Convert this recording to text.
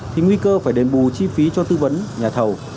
thì nguy cơ phải đền bù chi phí cho tư vấn nhà thầu